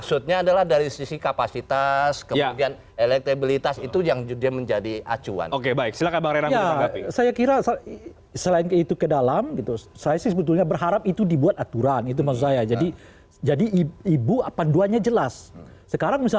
untuk hubungan darah